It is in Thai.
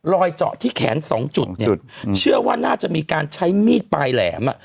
เจาะที่แขนสองจุดเนี่ยจุดเชื่อว่าน่าจะมีการใช้มีดปลายแหลมอ่ะ